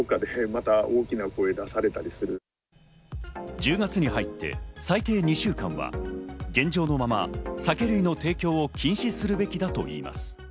１０月に入って最低２週間は現状のまま酒類の提供を禁止するべきだといいます。